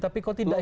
tapi kok tidak